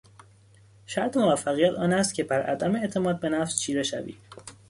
شرط موفقیت آن است که بر عدم اعتماد به نفس چیره شوی!